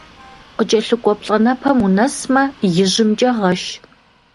Къыкӏэлъыкӏуэ плӏэнэпэм унэсмэ, ижьымкӏэ гъэш.